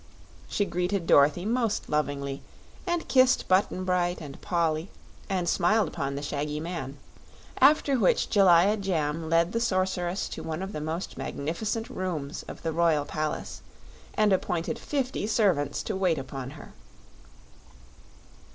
She greeted Dorothy most lovingly, and kissed Button Bright and Polly, and smiled upon the shaggy man, after which Jellia Jamb led the Sorceress to one of the most magnificent rooms of the royal palace and appointed fifty servants to wait upon her.